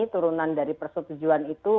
turunan dari persetujuan itu